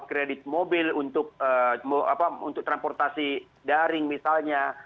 kredit mobil untuk transportasi daring misalnya